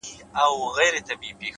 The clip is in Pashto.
پوهه د فکر تیاره زاویې روښانوي.!